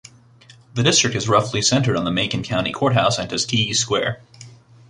The district is roughly centered on the Macon County Courthouse and Tuskegee Square.